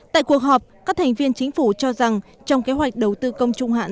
tại cuộc họp các thành viên chính phủ cho rằng trong kế hoạch đầu tư công trung hạn